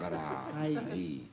はい。